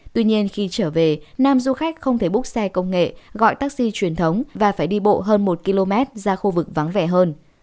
tuy nhiên khi trở về nam du khách không thể búc xe công nghệ gọi taxi truyền thống và phải đi bộ hơn một km ra khu vực vắng vẻ hơn